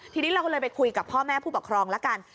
ทีนี้เราก็เลยไปคุยกับพ่อแม่ผู้ปกครองละกัน